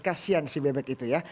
kasian si bebek itu ya